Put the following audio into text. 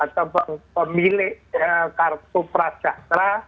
atau pemilik kartu prasjahtera